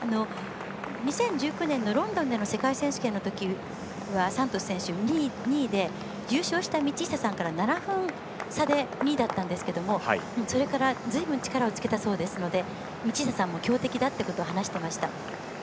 ２０１９年のロンドンの世界選手権のときはサントス選手、２位で優勝した道下さんから７分差で２位だったんですけどもそれから力をつけたということで道下さんも強敵だってことは話してました。